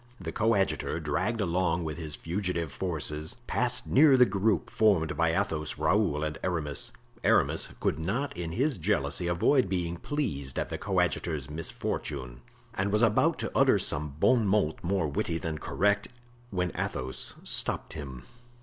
The coadjutor, dragged along with his fugitive forces, passed near the group formed by Athos, Raoul and Aramis. Aramis could not in his jealousy avoid being pleased at the coadjutor's misfortune, and was about to utter some bon mot more witty than correct, when Athos stopped him.